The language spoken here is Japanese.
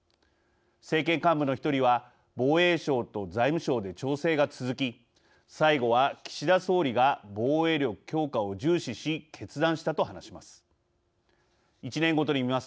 政権幹部の１人は「防衛省と財務省で調整が続き、最後は岸田総理が防衛力強化を重視し決断した」と話します。